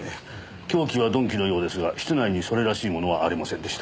凶器は鈍器のようですが室内にそれらしい物はありませんでした。